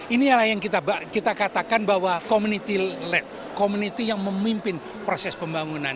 inilah yang kita katakan bahwa community yang memimpin proses pembangunan